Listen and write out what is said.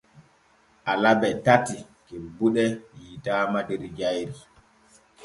Alabe tati kebude yiitaama der jayri.